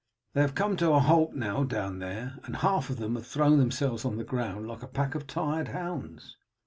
They have come to a halt now down there, and half of them have thrown themselves on the ground like a pack of tired hounds."